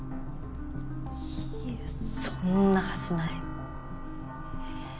いやそんなはずない。